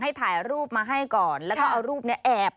ถ่ายรูปมาให้ก่อนแล้วก็เอารูปนี้แอบ